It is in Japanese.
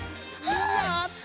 やった！